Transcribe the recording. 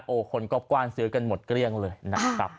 คนก็กว้านซื้อกันหมดเกลี้ยงเลยนะครับ